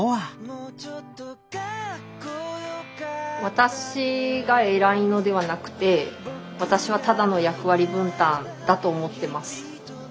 私が偉いのではなくて私はただの役割分担だと思ってます。